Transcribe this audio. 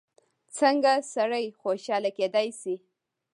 څنګه سړی خوشحاله کېدای شي؟